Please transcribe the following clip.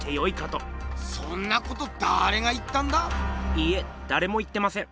いいえだれも言ってません。